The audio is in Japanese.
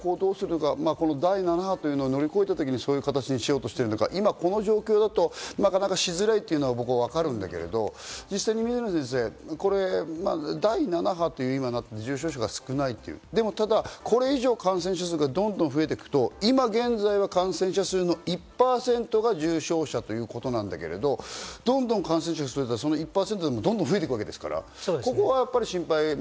第７波というのを乗り越えたとき、そういう形にしようとしているのか、今この状況だとなかなかしづらいというのは僕はわかるんだけど、実際、水野先生、第７波、重症者が少ないという、だけどこれ以上感染者数がどんどん増えていくと、今現在は感染者数の１％が重症者ということなんだけれど、どんどん感染者が増えると増えていくわけですから、ここは心配。